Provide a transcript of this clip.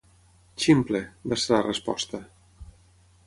"Ximple", va ser la resposta.